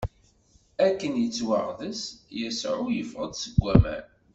Akken yettwaɣḍeṣ, Yasuɛ iffeɣ-d seg waman.